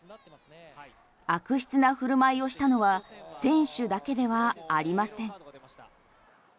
悪質な振る舞いをしたのは選手だけではありません。